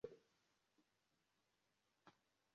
La noma sufikso -ono estas la rezulto de divido.